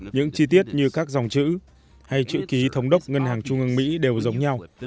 những chi tiết như các dòng chữ hay chữ ký thống đốc ngân hàng trung ương mỹ đều giống nhau